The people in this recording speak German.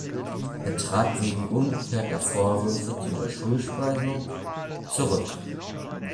Er trat wegen ungeklärter Vorwürfe zu der Schulspeisung zurück.